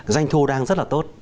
doanh thu đang rất là tốt